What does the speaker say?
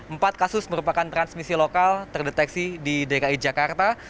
empat kasus merupakan transmisi lokal terdeteksi di dki jakarta